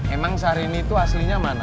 emang sehari ini tuh aslinya mana